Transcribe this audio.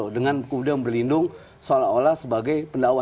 dengan kemudian berlindung seolah olah sebagai pendakwah